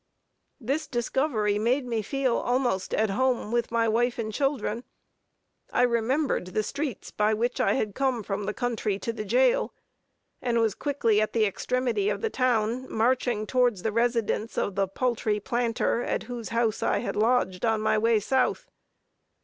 This discovery made me feel almost at home, with my wife and children. I remembered the streets by which I had come from the country to the jail, and was quickly at the extremity of the town, marching towards the residence of the paltry planter, at whose house I had lodged on my way South.